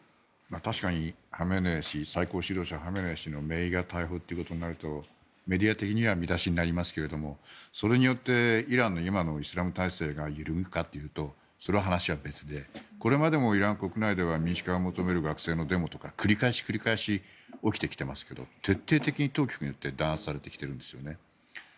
確かにハメネイ師最高指導者ハメネイ師のめいが逮捕ということになるとメディア的には見出しになりますがそれによってイランの今のイスラム体制が揺らぐかというとそれは話は別でこれまでもイラン国内では民主化を求める学生のデモとか繰り返し起きてきていますが徹底的に当局によって弾圧されてきてるんですよね。